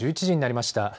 １１時になりました。